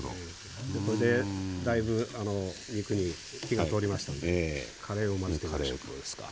これでだいぶ肉に火が通りましたんでカレーを混ぜてみましょうか。